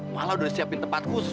malah sudah disiapkan tempat khusus